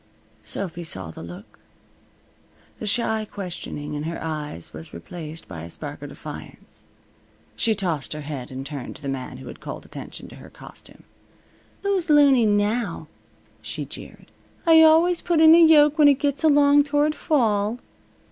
Sophy saw the look. The shy questioning in her eyes was replaced by a spark of defiance. She tossed her head, and turned to the man who had called attention to her costume. "Who's loony now?" she jeered. "I always put in a yoke when it gets along toward fall.